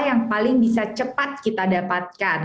yang paling bisa cepat kita dapatkan